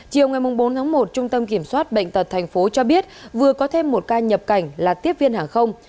chiều bốn tháng một trung tâm kiểm soát bệnh tật thành phố cho biết vừa có thêm một ca nhập cảnh là tiếp viên hàng không